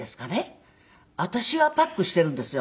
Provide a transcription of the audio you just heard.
私はパックしているんですよ。